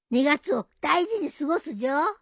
２月を大事に過ごすじょ。